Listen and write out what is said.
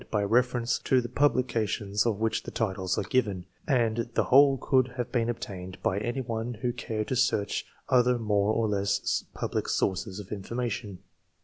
41 ference to the publications of which the titles are given ; and the whole could have been obtained by any one who cared to search other more or less public sources of information.